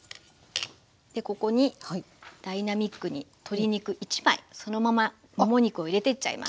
でここにダイナミックに鶏肉１枚そのままもも肉を入れていっちゃいます。